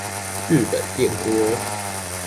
日本電鍋